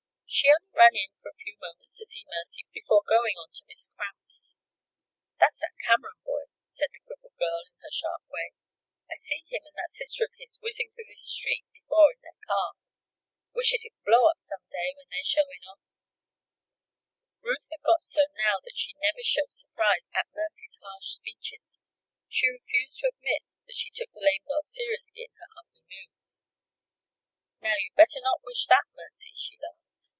She only ran in for a few moments to see Mercy before going on to Miss Cramp's. "That's that Cameron boy," said the crippled girl, in her sharp way. "I see him and that sister of his whizzing through this street before in their car. Wish it'd blow up some day when they're showing off." Ruth had got so now that she never showed surprise at Mercy's harsh speeches. She refused to admit that she took the lame girl seriously in her ugly moods. "Now, you'd better not wish that, Mercy," she laughed.